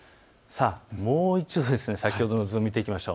もう一度先ほどの図を見ていきましょう。